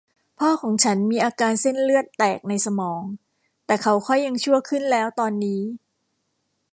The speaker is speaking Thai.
พ่อของฉันมีอาการเส้นเลือดแตกในสมอง แต่เขาค่อยยังชั่วขึ้นแล้วตอนนี้